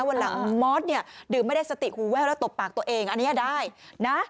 วันหลังมอสเนี่ยดื่มไม่ได้สติหูแว่วแล้วตบปากตัวเองอันนี้ได้นะ